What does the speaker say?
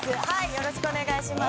よろしくお願いします。